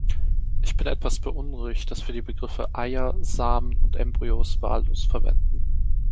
Ich bin etwas beunruhigt, dass wir die Begriffe Eier, Samen und Embryos wahllos verwenden.